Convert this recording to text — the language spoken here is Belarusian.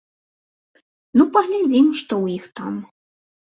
Ну паглядзім, што ў іх там!